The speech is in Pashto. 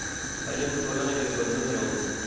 تعلیم په ټولنه کې بدلون راولي.